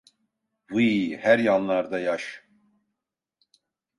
Vıyy, her yanlar da yaş!.